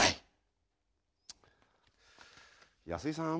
安井さん